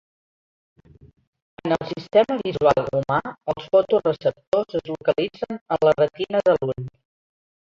En el sistema visual humà els fotoreceptors es localitzen en la retina de l'ull.